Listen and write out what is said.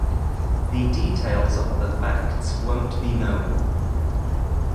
The details of the facts won't be known.